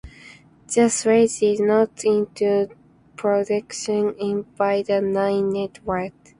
The series did not go into production by the Nine Network.